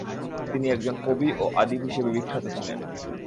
তিনি একজন কবি ও আদিব হিসেবে বিখ্যাত ছিলেন।